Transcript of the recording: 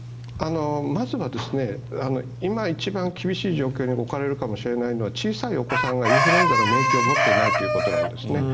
まずは今一番厳しい状況に置かれるかもしれないのは小さいお子さんがインフルエンザの免疫を持っていないということなんですね。